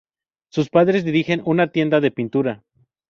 Sus padres dirigen una tienda de pintura.